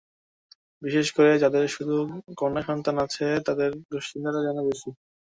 বিশেষ করে যাঁদের শুধু কন্যা সন্তান আছে, তাঁদের দুশ্চিন্তাই যেন বেশি।